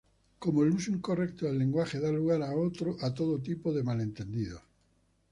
Cómo el uso incorrecto del lenguaje da lugar a todo tipo de malentendidos.